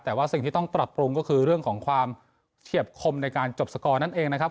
แต่ว่าสิ่งที่ต้องปรับปรุงก็คือเรื่องของความเฉียบคมในการจบสกอร์นั่นเองนะครับ